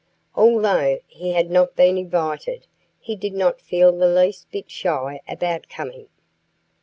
Although he had not been invited, he did not feel the least bit shy about coming.